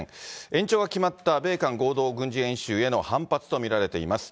延長が決まった米韓合同軍事演習への反発と見られています。